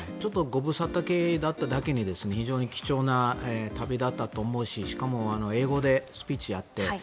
ご無沙汰系だっただけに非常に貴重な旅だったと思うししかも英語でスピーチをやって。